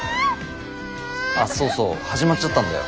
ああそうそう始まっちゃったんだよ